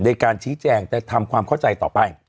ในการชี้แจงแต่ทำความเข้าใจต่อไป